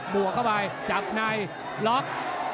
บวกเข้าไปจับในล็อก